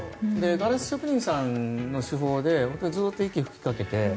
ガラス職人さんの手法で息を吹きかけて。